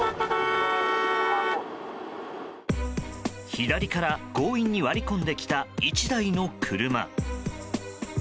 左から強引に割り込んできた１台の車。